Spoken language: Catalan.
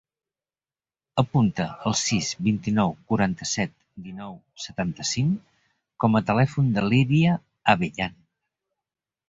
Apunta el sis, vint-i-nou, quaranta-set, dinou, setanta-cinc com a telèfon de l'Iria Abellan.